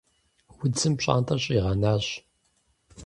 Удзым пщӀантӀэр щӀигъэнащ.